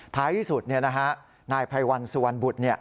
ท้ายที่สุดนายไพรวัลสุวรรณบุตร